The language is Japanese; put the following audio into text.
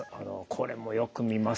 これもよく見ます。